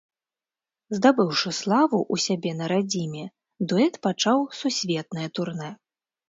Здабыўшы славу ў сябе на радзіме, дуэт пачаў сусветнае турнэ.